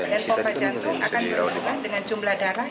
dan pompa jantung akan berubah dengan jumlah darah